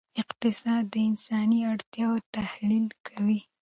اقتصاد د انساني اړتیاوو تحلیل کوي.